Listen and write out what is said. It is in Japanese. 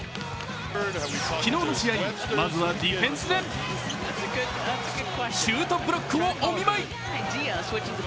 昨日の試合、まずはディフェンスでシュートブロックをお見舞い。